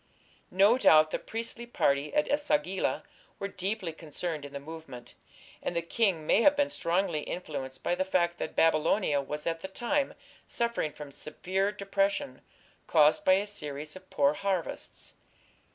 No doubt the priestly party at E sagila were deeply concerned in the movement, and the king may have been strongly influenced by the fact that Babylonia was at the time suffering from severe depression caused by a series of poor harvests.